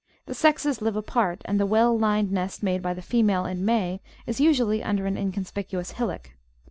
The sexes live apart, and the well lined nest made by the female in May is usually under an inconspicuous hillock.